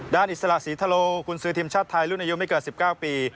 อิสระศรีทะโลกุญศือทีมชาติไทยรุ่นอายุไม่เกิน๑๙ปี